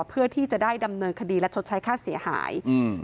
เพื่อที่จะได้ดำเนินคดีและชดใช้ค่าเสียหาย